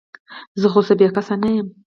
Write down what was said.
زه خو څه بې کسه نه یم ؟